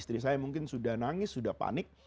istri saya mungkin sudah nangis sudah panik